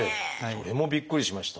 それもびっくりしました。